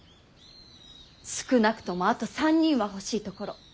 少なくともあと３人は欲しいところ。